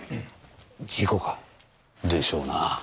事故か？でしょうな。